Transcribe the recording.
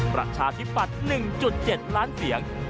ประชาธิปัตย์๑๗ล้านเสียง